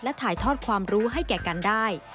และถ่ายทอดความรู้ให้แก่กันได้